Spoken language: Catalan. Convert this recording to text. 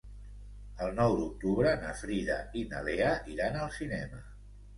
El nou d'octubre na Frida i na Lea iran al cinema.